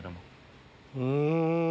うん。